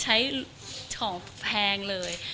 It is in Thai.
ใช้ของแพงเลย